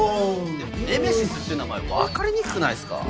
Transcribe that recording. でも「ネメシス」って名前分かりにくくないっすか？